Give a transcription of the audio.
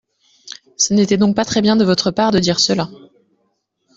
Ce n’était donc pas très bien de votre part de dire cela.